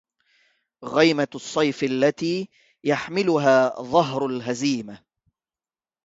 غيمة الصيف التي.. يحملها ظهر الهزيمهْ